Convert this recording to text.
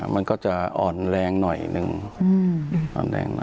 มันก็จะอ่อนแรงหน่อยหนึ่ง